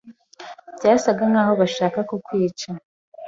Byasaga nkaho bashaka kukwica.